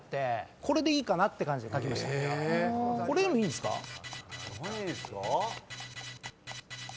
これでもいいんですか？